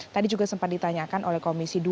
tadi juga sempat ditanyakan oleh komisi dua